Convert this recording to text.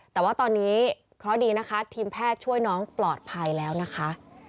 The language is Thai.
แต่ว่าตอนนี้เคราะห์ดีนะคะทีมแพทย์ช่วยน้องปลอดภัยแล้วนะคะ